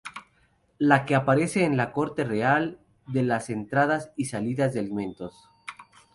La que aparece en la corte real, de entradas y salidas de alimentos.